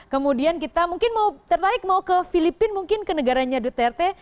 kemudian kita mungkin mau tertarik mau ke filipina mungkin ke negaranya duterte